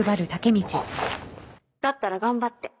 だったら頑張って